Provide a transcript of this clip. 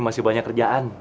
masih banyak kerjaan